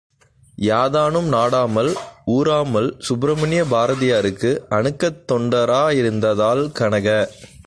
யாதானும் நாடாமால் ஊராமால் Subramaniya பாரதியாருக்கு அணுக்கத் தொண்டரா யிருந்ததால் Kanaka.